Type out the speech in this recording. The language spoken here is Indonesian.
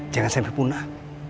jangan sampai punah